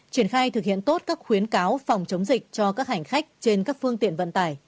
triển khai thực hiện tốt các khuyến cáo phòng chống dịch cho các hành khách trên các phương tiện vận tải